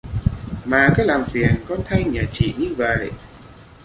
Mà cứ làm phiền con thanh nhà chị như vậy